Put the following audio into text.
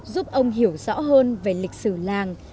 giúp ông hiểu rõ hơn về lịch sử làng